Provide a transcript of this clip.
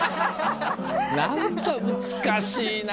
何か難しいな。